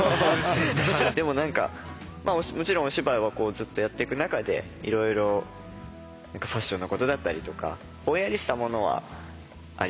でも何かもちろんお芝居はずっとやっていく中でいろいろ何かファッションのことだったりとかぼんやりしたものはありますね。